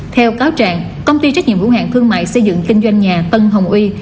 theo cáo trạng công ty trách nhiệm hữu hạng thương mại xây dựng kinh doanh nhà tân hồng uy